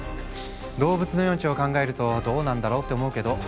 動物の命を考えるとどうなんだろうって思うけど。